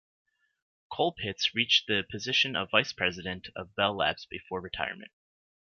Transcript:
Colpitts reached the position of vice-president of Bell Labs before retirement.